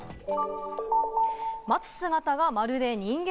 待つ姿がまるで人間？